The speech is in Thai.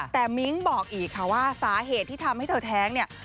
แต่มิ้งบอกอีกค่ะว่าสาเหตุที่ทำให้เธอแท้งเนี่ย